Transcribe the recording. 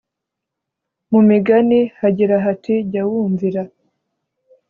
mu migani hagira hati jya wumvira